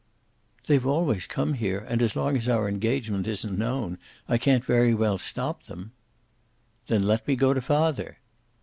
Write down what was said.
"They've always come here, and as long as our engagement isn't known, I can't very well stop them." "Then let me go to father."